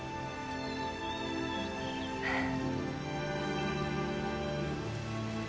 はあ。